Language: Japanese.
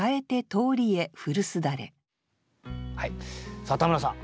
さあ田村さん